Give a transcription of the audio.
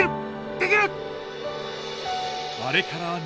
できる！